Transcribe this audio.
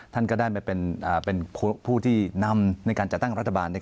ท่านก็ได้มาเป็นผู้ที่นำในการจัดตั้งรัฐบาล